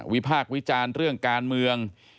พากษ์วิจารณ์เรื่องการเมือง